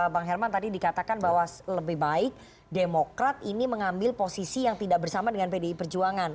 bang herman tadi dikatakan bahwa lebih baik demokrat ini mengambil posisi yang tidak bersama dengan pdi perjuangan